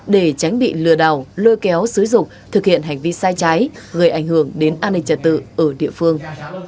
để tránh bị lừa đảo lôi kéo xứ dục thực hiện hành vi sai trái gây ảnh hưởng đến an ninh trả tự ở địa phương